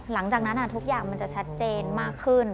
หลังจากนั้นทุกอย่างมันจะชัดเจนมากขึ้น